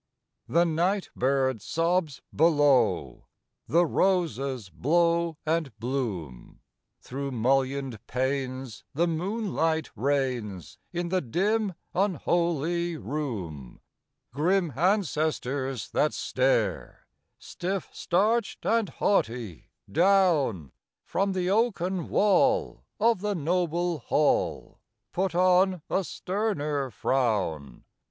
The nightbird sobs below; The roses blow and bloom; Through mullioned panes the moonlight rains In the dim, unholy room. Grim ancestors that stare, Stiff, starched and haughty, down From the oaken wall of the noble hall, Put on a sterner frown.